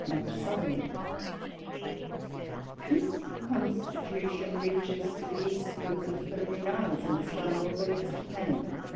much Southerly: This Constitution reaches to the Eastwards of the Philippine Isles, and as far Northerly as Japan.